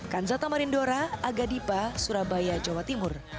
kansa tamarindora agadipa surabaya jawa timur